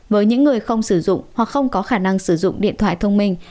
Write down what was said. với những người không sử dụng hoặc không có khả năng sử dụng điện thoại thông minh